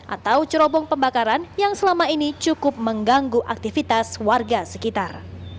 atau cerobong pembakaran yang selama ini cukup mengganggu aktivitas warga sekitar